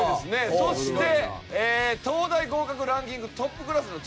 そして東大合格ランキングトップクラスの超